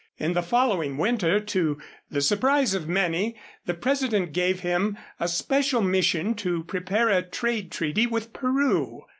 In the following winter, to the surprise of many, the President gave him a special mission to prepare a trade treaty with Peru.